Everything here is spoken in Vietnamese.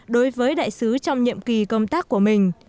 đối với đại sứ trong nhiệm kỳ công tác của mình